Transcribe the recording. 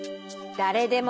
だれでも？